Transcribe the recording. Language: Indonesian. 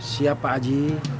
siap pak aji